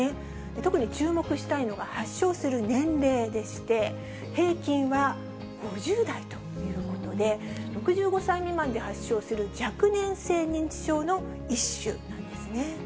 特に注目したいのが発症する年齢でして、平均は５０代ということで、６５歳未満で発症する若年性認知症の一種なんですね。